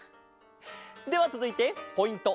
ではつづいてポイント